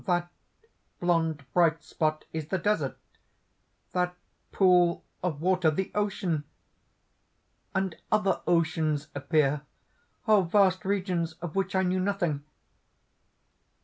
That blond bright spot is the desert; that pool of water the ocean! "And other oceans appear! vast regions of which I knew nothing!